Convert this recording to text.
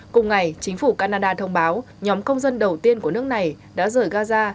cùng ngày chính phủ canada thông báo nhóm công dân đầu tiên của nước này đã rời gaza